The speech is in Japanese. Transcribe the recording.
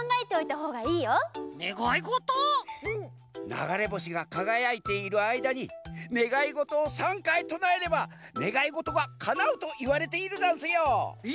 ながれぼしがかがやいているあいだにねがいごとを３かいとなえればねがいごとがかなうといわれているざんすよ。え！？